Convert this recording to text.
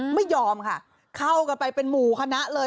ไม่ยอมค่ะเข้ากันไปเป็นหมู่คณะเลย